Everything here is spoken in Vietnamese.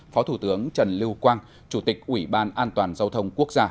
phó thủ tướng trần lưu quang chủ tịch ủy ban an toàn giao thông quốc gia